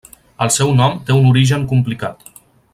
El seu nom té un origen complicat.